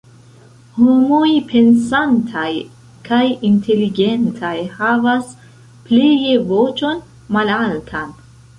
Homoj pensantaj kaj inteligentaj havas pleje voĉon malaltan.